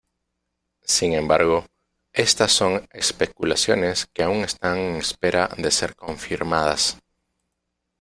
Sin embargo, estas son especulaciones que aún están en espera de ser confirmadas.